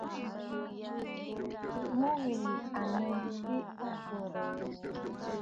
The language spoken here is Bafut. Mû wilì à nɨ tsiʼ ì àbə̀rə̀.